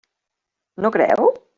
No creu?